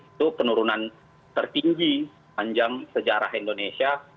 itu penurunan tertinggi sepanjang sejarah indonesia